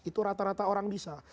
itu rata rata orang bisa